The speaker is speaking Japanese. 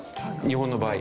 日本の場合。